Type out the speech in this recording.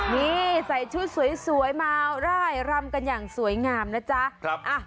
นี่ใส่ชุดสวยมาร่ายรำกันอย่างสวยงามนะจ๊ะ